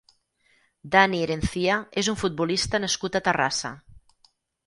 Dani Erencia és un futbolista nascut a Terrassa.